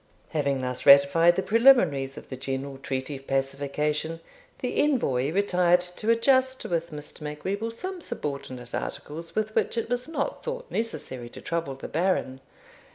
Having thus ratified the preliminaries of the general treaty of pacification, the envoy retired to adjust with Mr. Macwheeble some subordinate articles with which it was not thought necessary to trouble the Baron.